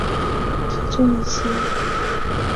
其中一些长而重复的鲸歌可能是交配的讯号。